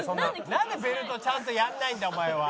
なんでベルトちゃんとやんないんだお前は。